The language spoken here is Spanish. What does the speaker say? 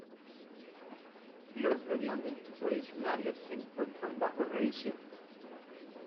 Los reglamentos adicionales se encuentran bajo revisión.